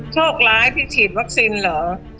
โชคร้ายพี่ฉีดวัคซีนเหรอ